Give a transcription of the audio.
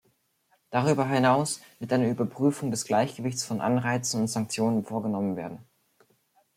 Darüber hinaus wird eine Überprüfung des Gleichgewichts von Anreizen und Sanktionen vorgenommen werden.